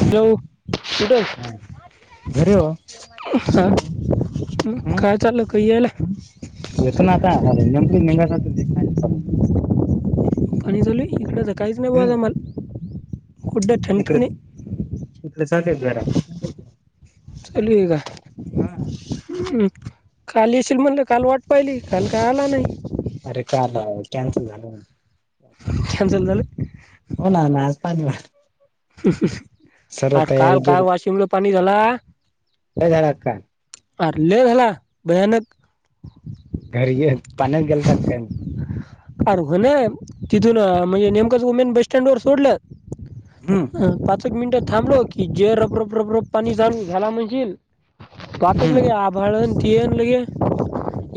Hello कुठं हा घरी हो हा हम्म कायचाचालं काइ येळे येतो ना आता अरे मंगाचा पणीसली इकड स कायच नाही बत हम्म आम्हाला गुड टमक इकडे नाही इकडे साधे आहेत जरा लू हा का काल येशील म्हणलं काल वाट पाहिली काल काय आला नाही अरे का कॅन्सल झालं न कॅन्सल झाले हो ना ना आज पाणी वा अर तयारी काल काय बियारी वाशिम ला पाणी झाला एन हेळ अक्का पार्ले ला भयानक घरी ये पाण्यात गेलता काय मग अर हो ना तिथून म्हणजे नेमकंच उमेन बस स्टँड वर सोडलं हम् ह पाच एक मिनटं थांबलो क जे रब रप रब रप पाणी जा घ्याला म्हणजे हम्म पाातलग आ भळ तीनलग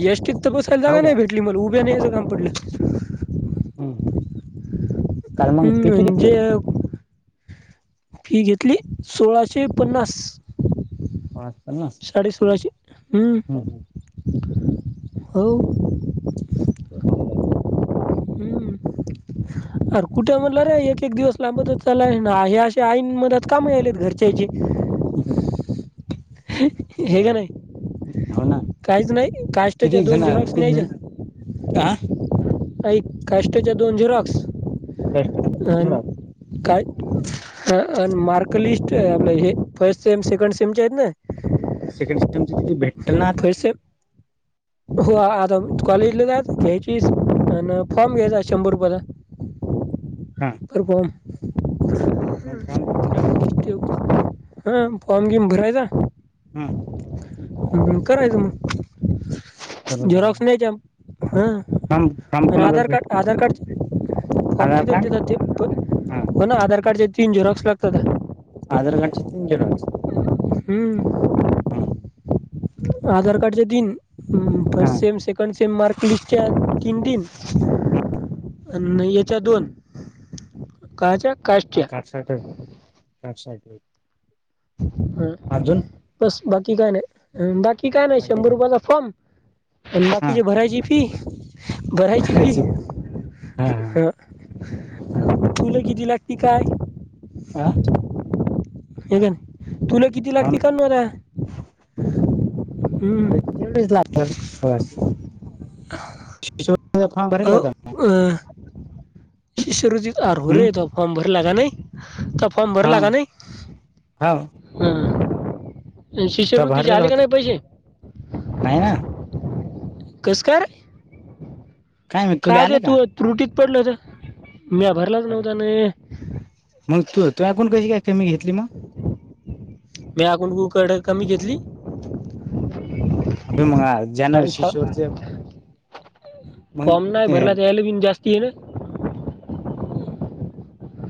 यष्ट तर बस काल हो जागा का नाही भेटली मला, उभ्याना याचं काम पडलं. हम् हम्. हम् म्हणजे? फी घेतली सोळाशे पन्नास. पाच पन्नास? साडे सोळाशे, ह्म हम्म हम्म हो. ते चांगलंय. हम्म. अरे कुठे म्हणलं रे, एक-एक दिवस लांबत चालाय, ना हे अशे आईन मधात काम आलेत घरच्याचे. ह ह. हे का नाही हो ना काहीच नाही, काष्टाच्या दोन झेरॉक्स न्यायच्या. आह? आइक कास्टच्या दोन झेरॉक्स अन काय ह अन मार्क लिस्ट आहे आपलं, हे फर्स्ट सेम सेकंड सेमचे आहेत ना? सेकंड सेमचे तिथं भेटत ना. फर्स्ट सेम हो आता कॉलेजला जात, घ्यायचीस आन फॉर्म घ्यायचा शंभर रुपयाचा. हो [inaudible] हा. पररभि्य मग फॉर्म भरून टाकायचा [unintelligible] [inaudible] ह फॉर्मबीम भरायचा? ह्म. ह करायचं मग, जरूर द्या झेराक्स न्यायच्या हं. फॉर्म फॉर्म अन कोणाकडे आधार कार्ड, भेटते आधार कार्ड फॉर्म आधार तिथेच कार्ड देतात, ते हा पण ना आधार कार्डचे तीन झेरॉक्स लागतात. आधार कार्डच्या तिनं झेरॉक्स? हम्म. ह्म. आधार कार्ड च्या तीन, हा first sem, second sem mark लिस्टच्या तीन तीन. याच्या दोन, काहच्या कास्टच्या. कातर, [inaudible] ह बस बाकी काय नाही, बाकी काय नाही शंभर रुपयाचा फॉर्म अन हा बाकीचे भरायची फी. भरायची मॅरेज फी सर्टिफिकेट, हा हा हा [unintelligible] तुलं किती लागती काय, हा. हाय का नाय? तुला किती फॉर्म लागते कान रे [unintelligible] हम्म. तेवढीच लागणार, सोळासे [unintelligible] फार्म भरेल अहो होता काय? अ, शिष्यवृत्तीचा आर भरे तुया फॉर्म भरला नाई, कप फॉर्म भर हा ला कां नाही? हो तो शिष्यवृत्तीचे भरलेला आले का होता नाही पैसे? नाही ना. कस कायरे, काय माहित तुला कांग आले का तू त्रुटीत पडलो तर, म्या भरलाच अरे नव्हता ना. मग तू तुयाकूण कशी काय कमी घेतली मग? म्याया अण कुन कड कमी घेतली? अबे मग आ- ज्यानं साडेसात, शिशुवरचे मग फॉम नाही ते भरला कांयला बि जास्त तीळ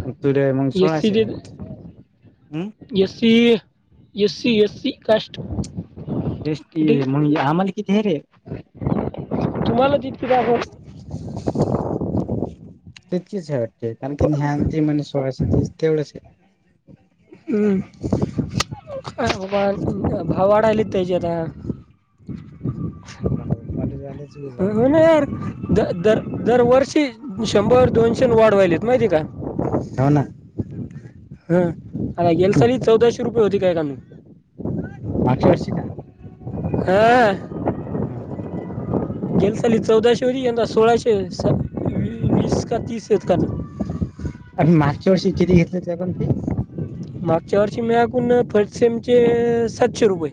मग तुले मग सोळाशे मक् हम्. ये. सी, ये. सी, ये सी काष्ट म्हग आम्हाला किती हे रे. तुम्हालाचितके दखव. तितकीच हे वाटते कारण की जञान त म्हण सोळा तेवढंच आहे. हम् भवाड ल तयजता ब कॉलेज वालेज. होनर द दर दरवर्षी शंभर दोनशेन वाढ व्हायलीेत माहिती आहे का? हो ना. हा आला येल साली चौदाशे रुपये होती काय काणू मागच्या अरशी का? हा हम हम गेल साली चौदाशे वरी यंदा सोळाशे स वीस का तीस येत का? आणि् मागच्या वर्षी किती घेतले हो ते आपण फी मागच्या वर्षी मळाकून फरसेमचे सातशे रुपये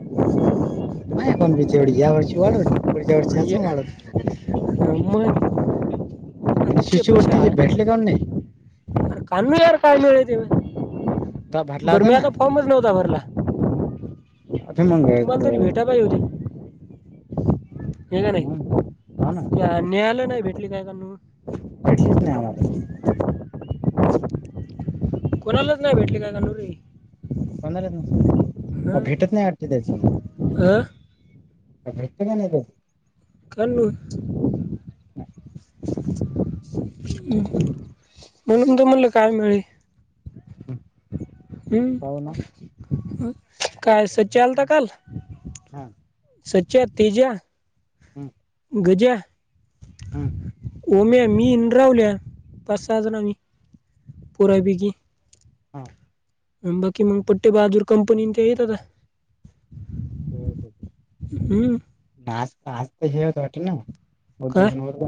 माय पण तेव्या वर्षी वाढव पुढच्या वर्ष ला आणि शिशूवरतीचे भेटले काण नाही. कण यार कायली हतीे. तवा भरला बर होता मी ना आता फॉर्मच नव्हता भरला. अ मंगच बा हो हे का नाही हम्म हा ना न्यायालय नाही भेटले काय का? भेटलीच नाही आम्हाला कोणालाच नाही भेटली काय गंडुरी पंधरा दिस भेटत नाही वाटते त्याची अ भ का नाही. काणू म्हणून तमला काय मिळेल. हं हम्म काय भेटते सच्चा आलता काल हा स् तेजा हम्म गज्या हम्म ओम्या मी इन रावल्या पाच सहा जण मी पुरापैकी हा बाकी मग पट्टे बाहाजूर कंपनी ते येत आता हम्म ना आ जेवत वाट ना काय उद्भजन वर्ग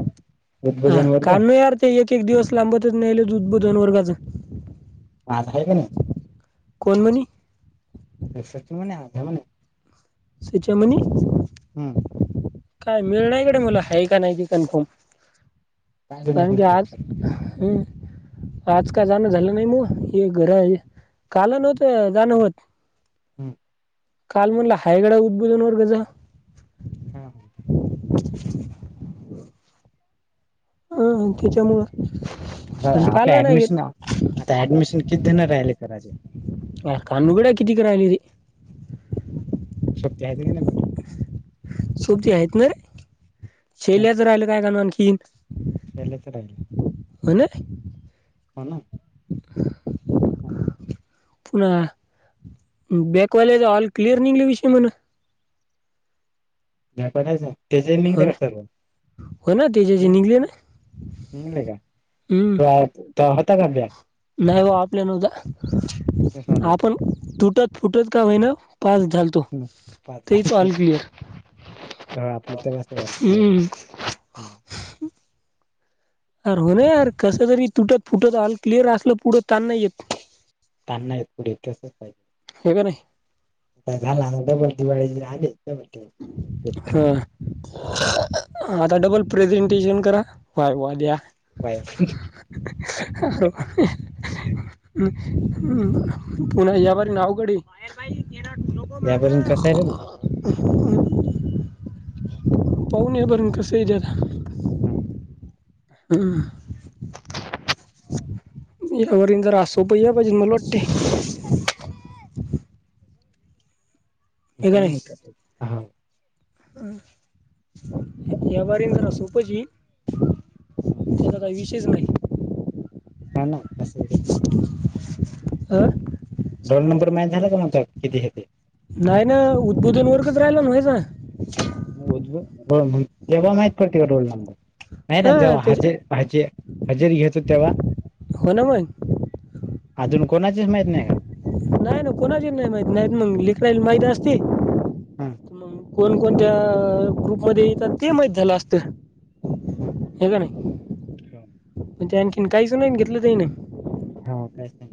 अर उद्भजन वर्ग कान यार ते एक एक दिवस लांबतच न्याल उद्बोधन वर्गाच हा का ना कोणमणी एक म आ म्ह सुचेमणी हम्म काय मिळ नाहीकडे मुला ह का नाही की कन्फर्म काय अजून सांगे एखादा आज पेक्षा हम् आज काल जाणं झालं नाही मग हे घर काल नवत जाणं होत. हम्म काल म्हणलं हायगडा उद्भुजन वर्गजा हा हा ह त्याच्यामुळ. आपल ऍडमिशन, आता ऍडमिशन कितीजण राहिले करायचे. अ कानुगड्या किती करायली ती. सत्या त्यागणी म्होनोली सोबती आहेत कोण शेल्या राहिलं तर काय करणार आणखीन. शेल्यात राहिल हो ना ह ना ह हा पुन बॅकवाल्याचा ऑल क्लिअर निंगला विषय म्हण माप्यात हाय काय. तेच मी घेऊन हो काय ना करू हो ना त्याच्याचे हम् निघले ना ह् लेका हम्म ते हा तवा होता का ब्या नाही हो आपल्या नदा तेच म्हणलं आपण तुटत फुटत का होई ना पास झालत ह पासं झालत. भावा आपले तवाच ऑल क्लिअर हाय. हम्म हम् अर हो नार कसंतरी तुटत फुटत ऑल क्लिअर असलं पुढं ता नाही येत तांना आहेते पुढं तसं चं पाहिजे होय का नाही आ झाला बर झाल [unintelligible] हां आता डबल प्रेझेंटेशन करा वाय वा द्या बाय [inaudible] पुर्ण [unintelligible] अवघड हे. [unintelligible] [inaudible] पाहन बरून कस आहे जता हम्म हम यावरन जरा असोपय या पाहिजे मला वाटते हे [unintelligible] [inaudible] अ या बारी जरा सोपज ही जरा [unintelligible] ह ना कस येत काय माहित. हा रोल नंबर माहित झाला का म्हटले किती हाय ते नाही ना [inaudible] वर्कच राहिला ना माझा हां त्याच्या [unintelligible] ह हजेरी घेतो तेव्हा हो ना मग. अजून कोणाचीच माहत नाही का? नाही ना कोणाचीच नाही माहती नाही त मंग लेकराईल माहीत असती हा मंग कोण कोणत्या ग्रुपमध्ये येतात ते माहीत झालं असतं. हे का नाही पण ते आणखीन काहीच नाही घेतलं त्याने हा काहीच नाय.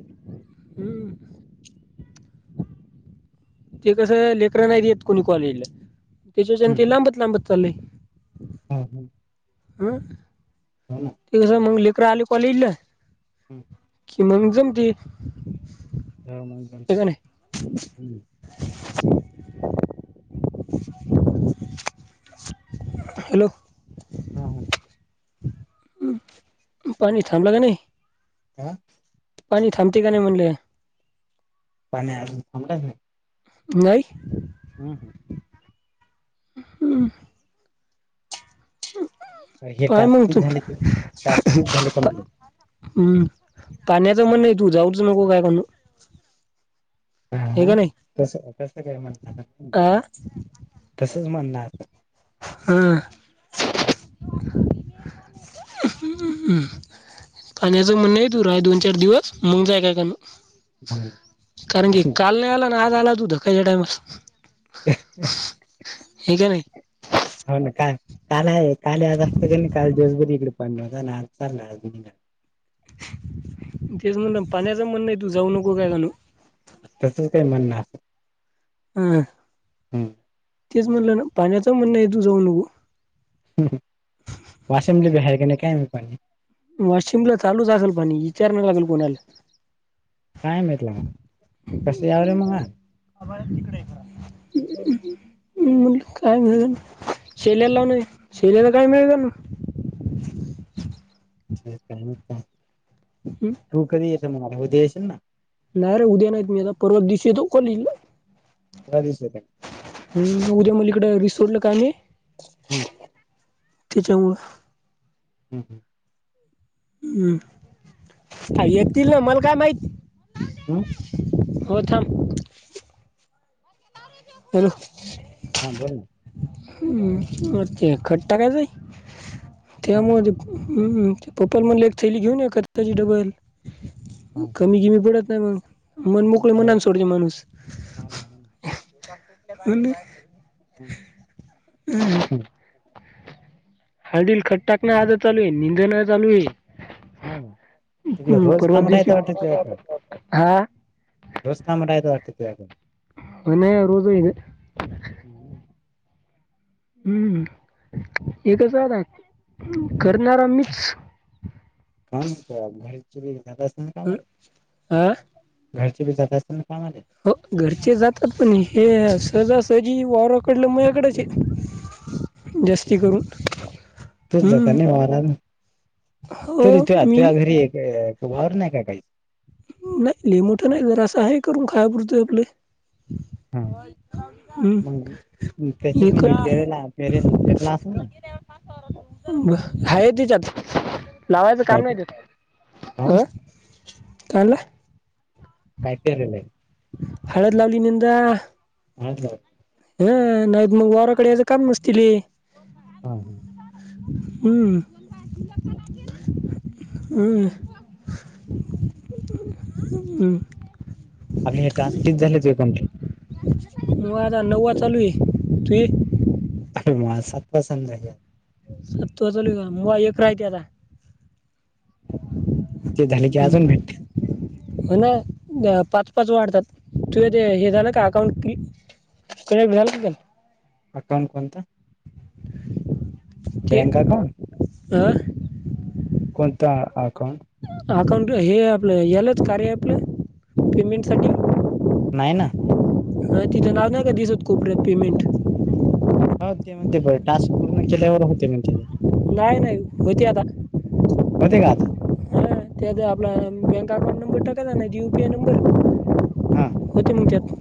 हम्म. ते कसं लेकरं नाहीत येत कोणी कॉलेजला त्याच्या च्याने ते लांबत लांबत चाललंय. हां हू. आं. हो ना. त ज मंग लेकर आले कॉलेज ला हम्म. कि मंग जमतील हे का नाय. [inaudible] हॅलो. ह ह. [inaudible] पाणी थांबल क नई. आ. पाणी थांबते का नाही म्हणल. पाणी अजून थांबल नाही. नाही. ऊ हुं हे काय टास्कच म्हगतो. झाले ते टास्कच झाले कंप्लीट हम्म पाण्याचं म्हणण आहे नाही तू जाऊच नको काय म्हणू. हा नाही तस कस काय म्हणणार आ तसच म्हणण आहे. हा. हम् हू. ह् पाण्याचं म्हणणं आहे तू राय दोन चार दिवस मग जाय काय काम कारण की काल नाही आला ना आज आला तू धकायच्या टायमाला. हो न का का नाही. काल आलो असतो तरी काल दिवसभरी इकडे पाणी होत आणि आज [unintelligible] तेच म्हण पाण्याचं म्हणण आहे तू जाऊ नको काय गणू. तसंच काही म्हणणं आहे. हम्म हम्म तेच म्हणलं ना पाण्याच म्हणणं आहे तू जाऊ नको. हुं हू वाषम ले बी हाय का नाय काय माहीत पाणी. वाशिम ला चालू झालं पाणी विचारयला लागेल कोणाला. [unintelligible] आ मु काय घ शेल्या लावून हम्म शेल्याला काय मिळे त्यां ते का का हमम. तू कधी येतं मला उद्याशील ना. नाही रे उद्या नाहीत मी आता परवा दिवशी येतो कॉलेजला. हधश. हम उद्या मुलीकड रिसोर्टला का नाही.. हम्म त्यािच्यामुळे. हं हं हम्म येतील ना मल काय माहिती. हम. होथम. हॅलो, हां बोल ना. हम्म ते खट्टा कायय हा हा तेमुळे. हम्म पप्पाल म्हणला एक ैली घेऊन ये का त्याची डबल हा कमी हा किमी पडत नाही मग मन मोकळे हो मनात सोडते माणूस हा ह म्ह हम्म हम् हम्म. हळदीील खट्टाकणं आज चालू आहे निंदण चालू आहे हा त हम्म, रोज परवा कमरा दिवशी येत वाटतकडे हा रस् का म्ह रायेत वाते तू म्हणे रोज आहे ते. हम्म एकच राहता करणारा मीच कामच घरी चुरी जात असत ना अ, कामला हा घरची बी जात असेल ना कामाला हो घरचे जातात पण हे सजासजी वारकडलं म्याकडच जास्ती करून तूच जात हम्म, नाही मार हो तु तू तू मी घरी एक त ववर नाही काही नाही लले मोठं नाही जरा अस हे करून खायपुरतं आपले हा. मग त्याच्यातनी एक बी पेरेला पेरेल पेरला असेल ना ह तिच्यात लावायचं काय काम नाही त्यात काऊन अं कालं कायतरलंय हळद लावलीनंद हलं हह नाही मग वाराकडे याच का मसतील ह ह हम ह अ हम्म हम् आपले हे टास्कीच झालेच पण आ नववा चालू आहे तु अर मला सत्पसंद रा सत् तू चलू मुग एक राहती आता ते झाले की अजून हम्म भेट हो ना पाच पाच वाढतात तु ते हे झालं का अकाउंट क को भणालन अकाउंट कोत ते बँक अकाउंट अ कोणतां अकाउंट अकाउंट हे आपलं यालाच कार्य आपलं पेमेंट सा नाही ना ह तिथं नाव नाही का दिसत कोपऱ्यात पेमेंट हो ते म्हणते ब टास्क पूर्ण केल्यावर होते म्हणतेे नाही नाही होती आता होते का आता ह त्या आपला बँक अकाउंट नंबर टाकायचा नाही यू पीआय हा नंबर होते मग त्यात